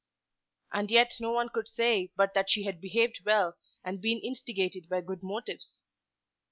And yet no one could say but that she had behaved well and been instigated by good motives.